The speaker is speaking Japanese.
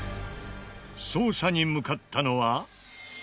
捜査に向かったのは。